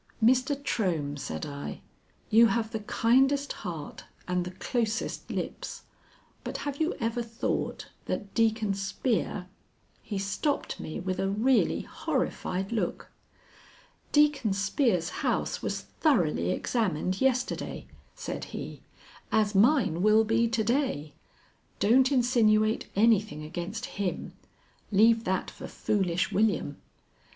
"Mr. Trohm," said I, "you have the kindest heart and the closest lips, but have you ever thought that Deacon Spear " He stopped me with a really horrified look. "Deacon Spear's house was thoroughly examined yesterday," said he, "as mine will be to day. Don't insinuate anything against him! Leave that for foolish William."